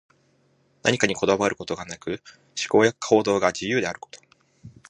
何かにこだわることがなく、思考や行動が自由であること。